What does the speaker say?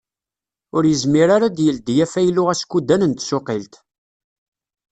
Ur yezmir ara ad d-yeldi afaylu askudan n tsuqilt.